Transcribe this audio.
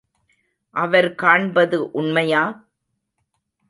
அவர் காண்பது உண்மையா?